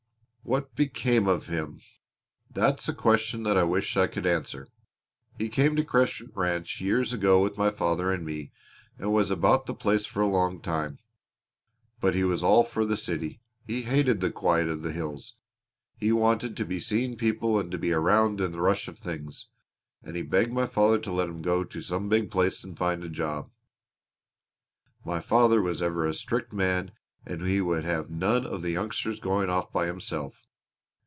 "What became of him that's a question that I wish I could answer! He came to Crescent Ranch years ago with my father and me and was about the place for a long time. But he was all for the city. He hated the quiet of the hills. He wanted to be seeing people and to be around in the rush of things, and he begged my father to let him go to some big place and find a job. My father was ever a strict man and he would have none of the youngster's going off by himself.